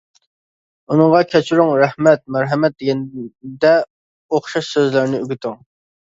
ئۇنىڭغا «كەچۈرۈڭ، رەھمەت، مەرھەمەت» دېگەندە ئوخشاش سۆزلەرنى ئۆگىتىڭ.